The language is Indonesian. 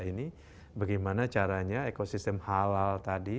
ini bagaimana caranya ekosistem halal tadi